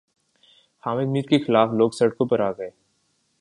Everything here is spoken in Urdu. حامد میر کے خلاف لوگ سڑکوں پر آگۓ